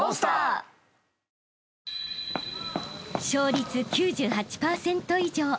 ［勝率９８％以上］